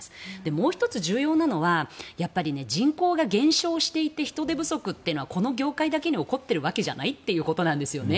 もう１つ重要なのは人口が減少していて人手不足っていうのはこの業界だけに起こっているわけではないということなんですよね。